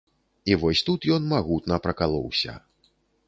І вось тут ён магутна пракалоўся.